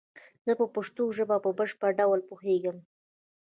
زه په پشتو ژبه په بشپړ ډول پوهیږم